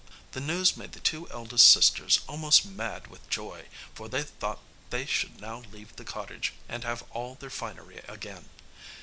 This news made the two eldest sisters almost mad with joy, for they thought they should now leave the cottage, and have all their finery again.